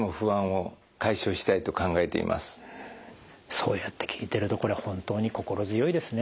そうやって聞いてるとこれ本当に心強いですね。